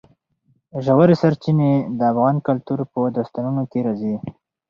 ژورې سرچینې د افغان کلتور په داستانونو کې راځي.